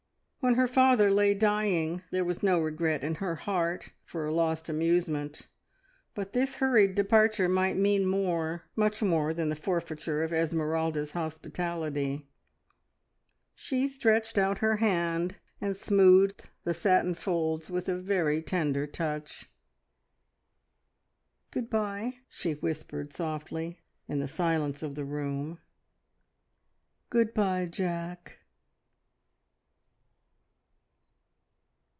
When her father lay dying, there was no regret in her heart for a lost amusement, but this hurried departure might mean more much more than the forfeiture of Esmeralda's hospitality. She stretched out her hand, and smoothed the satin folds with a very tender touch. "Good bye!" she whispered softly, in the silence of the room. "Good bye, Jack!"